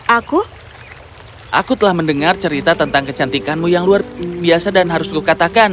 aku aku telah mendengar cerita tentang kecantikanmu yang luar biasa dan harus kukatakan